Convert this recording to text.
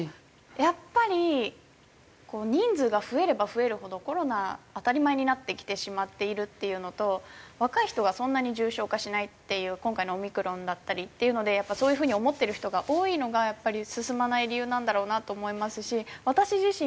やっぱり人数が増えれば増えるほどコロナ当たり前になってきてしまっているっていうのと若い人はそんなに重症化しないっていう今回のオミクロンだったりっていうのでそういう風に思ってる人が多いのがやっぱり進まない理由なんだろうなと思いますし私自身